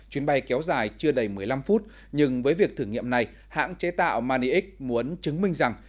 chuyến bay kéo dài chưa đầy một mươi năm phút nhưng với việc thử nghiệm này hãng chế tạo manix muốn chứng minh rằng